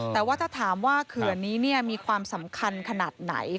แต่ว่าถ้าถามว่าเขื่อนนี้มีความสำคัญขนาดไหน